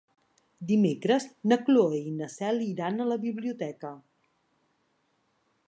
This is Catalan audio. Dimecres na Cloè i na Cel iran a la biblioteca.